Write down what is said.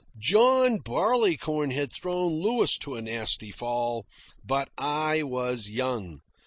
John Barleycorn had thrown Louis to a nasty fall, but I was young.